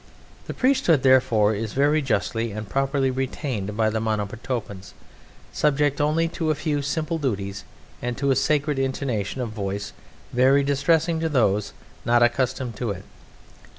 The priesthood, therefore, is very justly and properly retained by the Monomotapans, subject only to a few simple duties and to a sacred intonation of voice very distressing to those not accustomed to it.